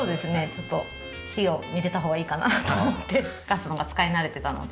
ちょっと火を見れた方がいいかなと思ってガスの方が使い慣れてたので。